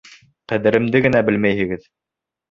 Ҡәҙеремде генә белмәйһегеҙ.